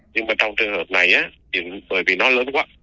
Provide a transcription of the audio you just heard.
nhưng mà trong trường hợp này thì bởi vì nó lớn quá